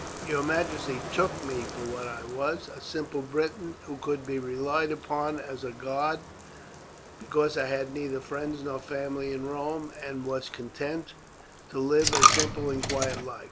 Your majesty took me for what I was, a simple Briton, who could be relied upon as a guard, because I had neither friends nor family in Rome, and was content to live a simple and quiet life.